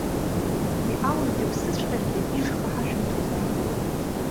Уи ауаҩ дыԥсыҵәҟьаргьы ижха ҳашәымҭозаап!